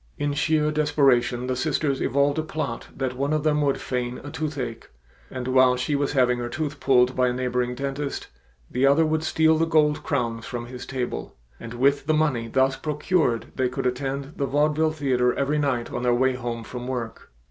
In sheer desperation the sisters evolved a plot that one of them would feign a toothache, and while she was having her tooth pulled by a neighboring dentist the other would steal the gold crowns from his table, and with the money thus procured they could attend the vaudeville theater every night on their way home from work.